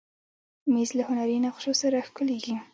مېز له هنري نقشو سره ښکليږي.